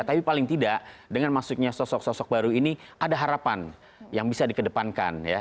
tapi paling tidak dengan maksudnya sosok sosok baru ini ada harapan yang bisa di kedepankan ya